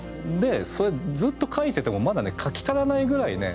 でずっと描いててもまだ描き足らないぐらいね